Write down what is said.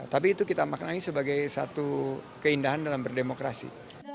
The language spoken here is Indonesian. tapi itu kita maknai sebagai satu keindahan dalam berdemokrasi